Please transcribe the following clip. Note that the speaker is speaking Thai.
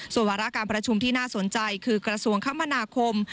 ส่วนวาระการประชุมที่น่าสนใจคือกระทรวงคมนาคม